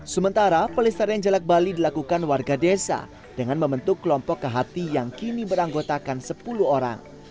sementara pelestarian jelek bali dilakukan warga desa dengan membentuk kelompok kehati yang kini beranggotakan sepuluh orang